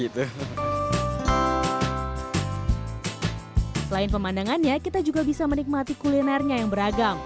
selain pemandangannya kita juga bisa menikmati kulinernya yang beragam